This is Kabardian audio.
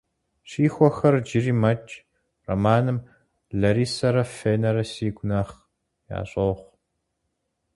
«Щихуэхэр иджыри мэкӏ» романым, Ларисэрэ, Фенэрэ сигу нэхъ ящӏогъу.